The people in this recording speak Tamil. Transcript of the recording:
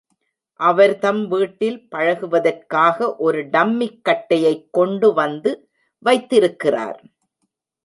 அவர் தம் வீட்டில் பழகுவதற்காக ஒரு டம்மிக் கட்டையைக் கொண்டு வந்து வைத்திருக்கிறார்.